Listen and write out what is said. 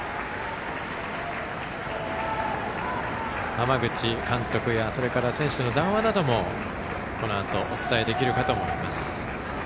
浜口監督や選手の談話などもこのあとお伝えできるかと思います。